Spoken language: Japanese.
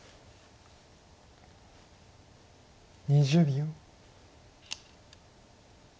２０秒。